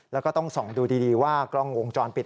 แล้วก็ต้องส่องดูดีว่ากล้องวงจรปิด